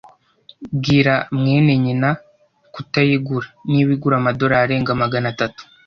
Bwira mwene nyina kutayigura niba igura amadorari arenga magana atatu.